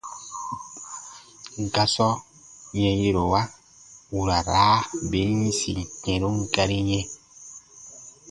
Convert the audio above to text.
Gasɔ yɛnyɛ̃rowa u ra n raa bin yĩsi kɛ̃run gari yɛ̃.